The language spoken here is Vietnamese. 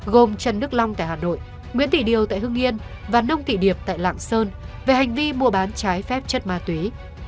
gồm trần đức long tại hà nội nguyễn tỷ điều tại hương yên và nông thị điệp tại lạng sơn về hành vi mua bán trái phép chất ma túy